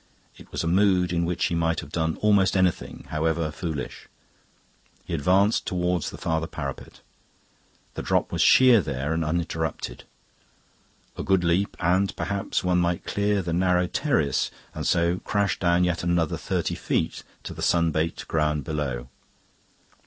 It was a mood in which he might have done almost anything, however foolish. He advanced towards the farther parapet; the drop was sheer there and uninterrupted. A good leap, and perhaps one might clear the narrow terrace and so crash down yet another thirty feet to the sun baked ground below.